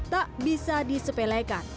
tak bisa disepelekan